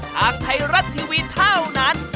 ทางไทยรัฐทีวีเท่านั้น